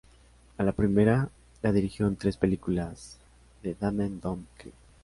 A la primera la dirigió en tres películas: "The Damned Don't Cry!